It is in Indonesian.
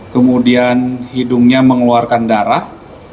kemudian hidungnya mengeluarkan darah